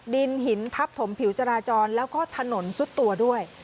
ดินหินทับถมผิวจราจรแล้วก็ถนนซุดตัวด้วย